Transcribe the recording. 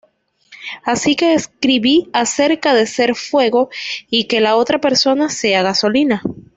Así que escribí acerca de ser fuego y que la otra persona sea gasolina.